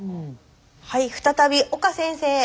はい再び岡先生。